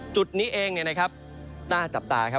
จุดนี้เองนะครับน่าจับตาครับ